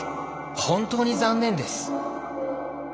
本当に残念です」。